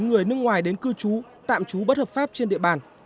người nước ngoài đến cư trú tạm trú bất hợp pháp trên địa bàn